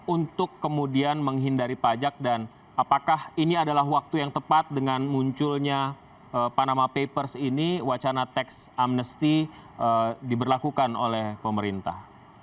untuk kemudian menghindari pajak dan apakah ini adalah waktu yang tepat dengan munculnya panama papers ini wacana teks amnesty diberlakukan oleh pemerintah